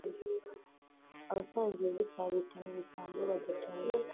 Abasangiye ubusa bitana ibisambo badatunze